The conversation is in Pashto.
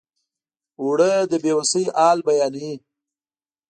اوړه د بې وسۍ حال بیانوي